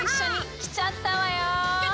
きちゃったよ！